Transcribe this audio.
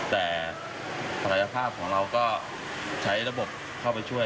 แต่ศักยภาพของเราก็ใช้ระบบเข้าไปช่วย